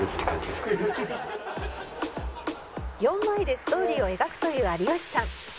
「４枚でストーリーを描くという有吉さん」